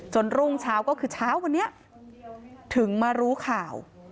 รุ่งเช้าก็คือเช้าวันนี้ถึงมารู้ข่าว